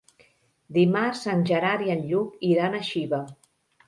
Dimarts en Gerard i en Lluc iran a Xiva.